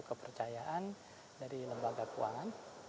kepercayaan dari lembaga keuangan